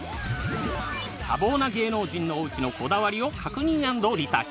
多忙な芸能人のおうちのこだわりを確認＆リサーチ